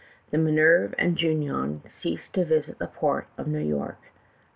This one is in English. "The Minerve and Junon ceased to visit the port of New York.